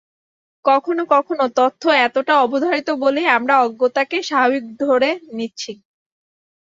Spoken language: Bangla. কখনো কখনো তথ্য এতটা অবারিত বলেই আমরা অজ্ঞতাকে স্বাভাবিক ধরে নিচ্ছি।